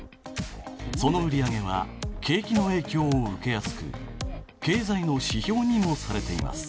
その売り上げは景気の影響を受けやすく経済の指標にもされています。